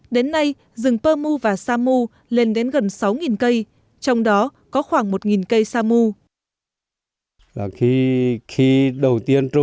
đến nay rừng pơ mu và samu lên đến gần sáu cây trong đó có khoảng một cây sa mu